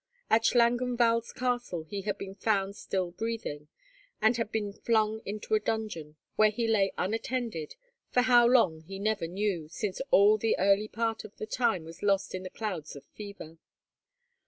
At Schlangenwald's castle he had been found still breathing, and had been flung into a dungeon, where he lay unattended, for how long he never knew, since all the early part of the time was lost in the clouds of fever.